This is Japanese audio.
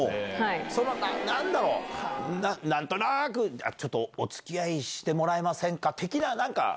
それはなんだろう、なんとなーく、ちょっとおつきあいしてもらえませんか？